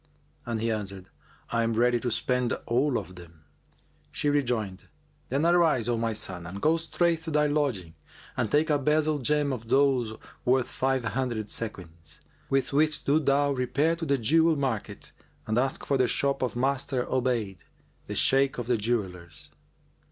and he answered, "I am ready to spend all of them." She rejoined, "Then, arise, O my son, and go straight to thy lodging and take a bezel gem of those worth five hundred sequins, with which do thou repair to the jewel market and ask for the shop of Master Obayd, the Shaykh of the Jewellers.